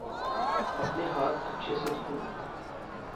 अपने हाथ अच्छे से धोओ।